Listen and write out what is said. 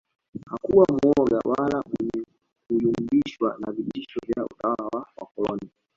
Hakuwa muoga wala mwenye kuyumbishwa na vitisho vya utawala wa wakoloni